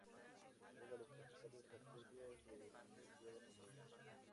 Una de las principales arterias de Junín lleva su nombre.